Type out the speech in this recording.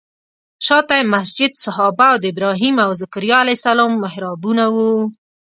شاته یې مسجد صحابه او د ابراهیم او ذکریا علیه السلام محرابونه وو.